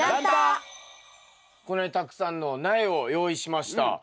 これたくさんの苗を用意しました。